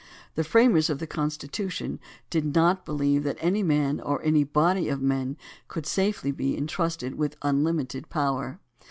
The framers of the Constitution did not believe that any man or any body of men could safely be intrusted with un limited power.